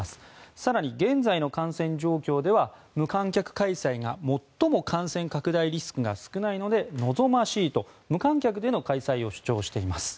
更に、現在の感染状況では無観客開催が最も感染拡大リスクが少ないので望ましいと、無観客での開催を主張しています。